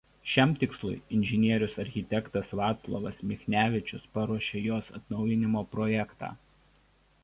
Šiam tikslui inžinierius architektas Vaclovas Michnevičius paruošė jos atnaujinimo projektą.